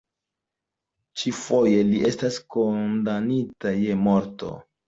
Ĉi-foje, li estis kondamnita je morto.